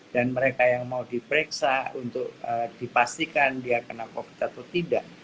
dan mereka yang mau diperiksa untuk dipastikan dia kena covid atau tidak